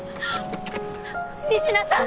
仁科さん！